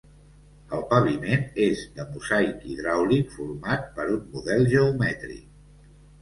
El paviment és de mosaic hidràulic format per un model geomètric.